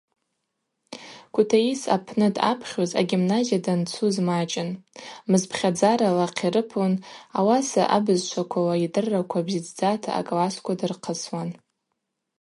Кутаис апны дъапхьуз агимназия данцуз мачӏын, мызпхьадзара хъирыпун, ауаса абызшваквала йдырраква бзидздзата аклассква дырхъысуан.